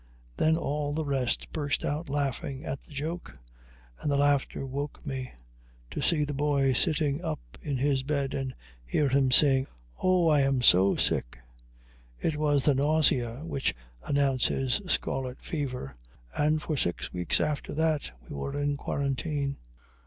Then all the rest burst out laughing at the joke, and the laughter woke me, to see the boy sitting up in his bed and hear him saying: "Oh, I am so sick!" It was the nausea which announces scarlet fever, and for six weeks after that we were in quarantine.